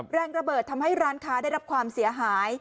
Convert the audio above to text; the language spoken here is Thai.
แรงระเบิดทำให้ร้านค้าได้รับความเสียหาย